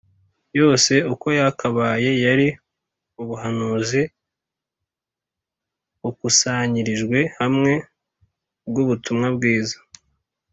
yose uko yakabaye yari ubuhanuzi bukusanyirijwe hamwe bw’ubutumwa bwiza